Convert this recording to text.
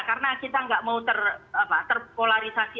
karena kita tidak mau terpolarisasi